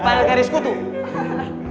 pada garisku tuh